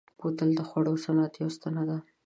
بوتل د خوړو صنعت یوه ستنه ده.